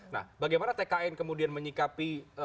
nah bagaimana tkn kemudian menyikapi